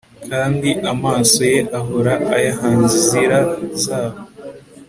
kandi amaso ye ahora ayahanze inzira zabo